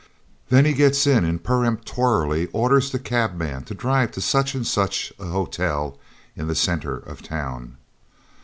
Then he gets in and peremptorily orders the cabman to drive to such and such an hotel in the centre of the town.